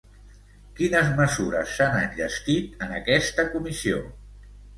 Quines mesures s'han enllestit en aquesta comissió?